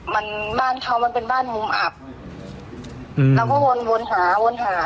มันบ้านเขามันเป็นบ้านมุมอับอืมเราก็วนวนหาวนหา